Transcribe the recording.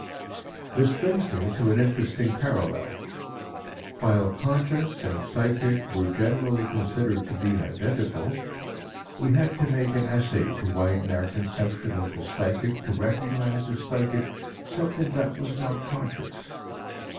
This brings me to an interesting parallel. While "conscious" and "psychic" were generally considered to be identical, we had to make an essay to widen our conception of the "psychic" to recognize as psychic something that was not conscious.